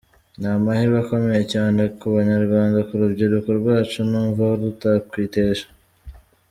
Ni amahirwe akomeye cyane ku banyarwanda ku rubyiruko rwacu numva rutakwitesha.